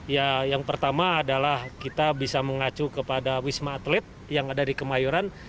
ya yang pertama adalah kita bisa mengacu kepada wisma atlet yang ada di kemayoran